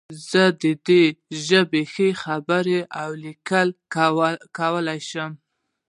زه په دې ژبو ښې خبرې او لیکل کولی شم